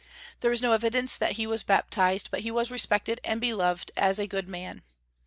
There is no evidence that he was baptized, but he was respected and beloved as a good man.